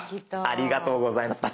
ありがとうございます。